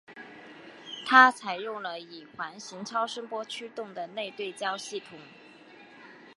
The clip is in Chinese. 它采用了以环形超声波驱动的内对焦系统。